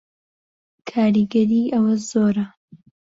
کاریگەری ئەوە زۆرە